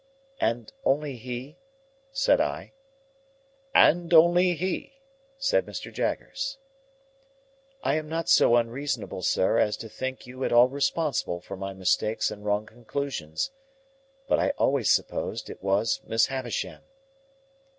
"And only he?" said I. "And only he," said Mr. Jaggers. "I am not so unreasonable, sir, as to think you at all responsible for my mistakes and wrong conclusions; but I always supposed it was Miss Havisham."